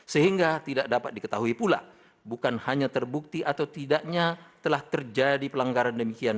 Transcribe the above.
sehingga tidak dapat diketahui pula bukan hanya terbukti atau tidaknya telah terjadi pelanggaran demikian